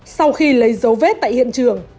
sau khi lấy dấu vết tại hiện trường